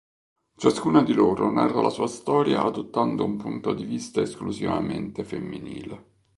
Ciascuna di loro narra la sua storia adottando un punto di vista esclusivamente femminile.